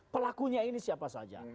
pelakunya ini siapa saja